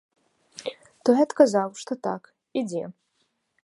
Той адказаў, што так, ідзе.